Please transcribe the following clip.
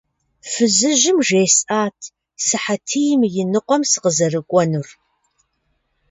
Фызыжьым жесӏат сыхьэтийм и ныкъуэм сыкъызэрыкӏуэнур.